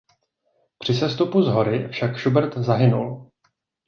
Při sestupu z hory však Schubert zahynul.